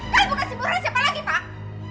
kalian bukan si burung siapa lagi pak